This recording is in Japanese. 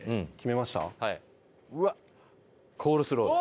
コールスローで。